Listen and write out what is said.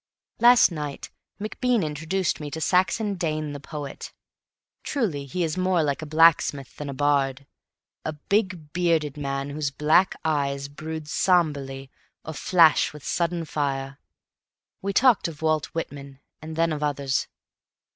Last night MacBean introduced me to Saxon Dane the Poet. Truly, he is more like a blacksmith than a Bard a big bearded man whose black eyes brood somberly or flash with sudden fire. We talked of Walt Whitman, and then of others.